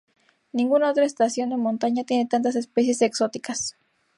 Ninguna otra estación de montaña tiene tantas especies exóticas.